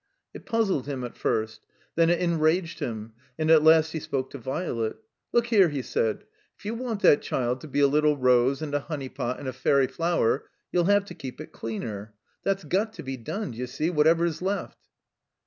It puzzled him at first ; then it enraged him; and at last he spoke to Violet. "Look here," he said, "if you want that diild to be a Little Rose and a Hone3rix>t and a Fairy Flower, you'll have to keep it cleaner. That's got to be done, d'you see, whatever 's left."